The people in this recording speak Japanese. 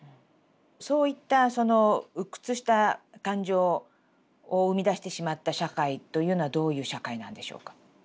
そういったその鬱屈した感情を生み出してしまった社会というのはどういう社会なんでしょうか？